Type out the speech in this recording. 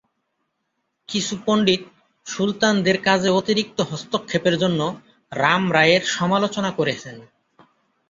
কিছু পণ্ডিত সুলতানদের কাজে অতিরিক্ত হস্তক্ষেপের জন্য রাম রায়ের সমালোচনা করেছেন।